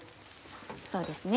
そうですね。